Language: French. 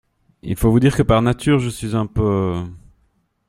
Il faut vous dire que par nature, je suis un peu…